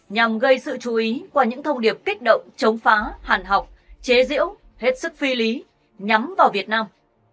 nhằm gây sự chú ý qua những thông điệp kích động chống phá hàn học chế diễu hết sức phi lý nhắm vào việt nam